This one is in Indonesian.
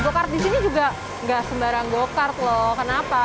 go kart disini juga gak sembarang go kart loh kenapa